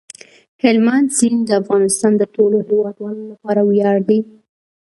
هلمند سیند د افغانستان د ټولو هیوادوالو لپاره ویاړ دی.